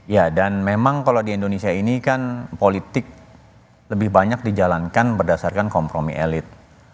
ya dan memang kalau di indonesia ini kan politik lebih banyak dijalankan berdasarkan kompromi elit